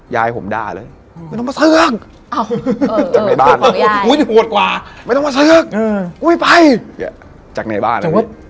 ยายผมดาเลยอย่าต้องมาเชิง